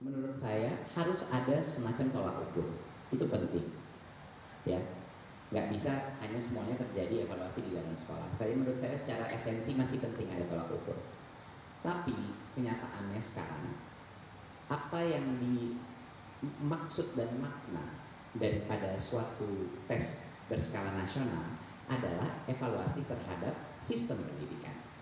daripada suatu tes berskala nasional adalah evaluasi terhadap sistem pendidikan